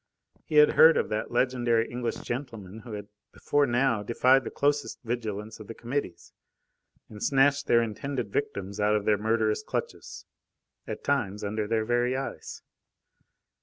He had heard of that legendary English gentleman who had before now defied the closest vigilance of the Committees, and snatched their intended victims out of their murderous clutches, at times under their very eyes.